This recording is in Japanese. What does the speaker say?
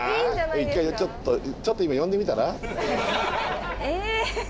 １回ちょっとちょっと今呼んでみたら？え！